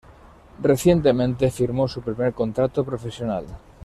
Recientemente firmó su primer contrato profesional.